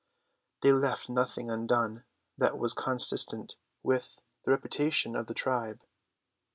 They left nothing undone that was consistent with the reputation of their tribe.